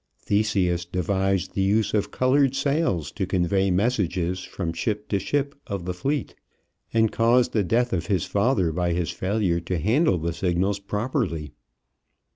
Theseus devised the use of colored sails to convey messages from ship to ship of the fleet, and caused the death of his father by his failure to handle the signals properly.